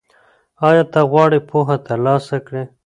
ایا ته غواړې پوهه ترلاسه کړې؟